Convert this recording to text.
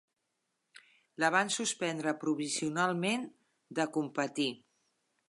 La van suspendre provisionalment de competir.